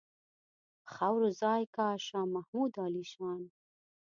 په خاورو ځای کا شاه محمود د عالیشان.